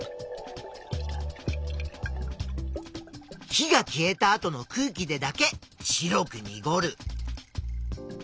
火が消えた後の空気でだけ白くにごる。